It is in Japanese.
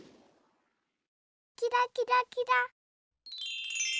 キラキラキラ。